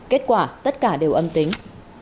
kết quả tất cả đều âm tính